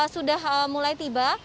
sudah mulai tiba